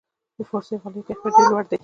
د فارسي غالیو کیفیت ډیر لوړ دی.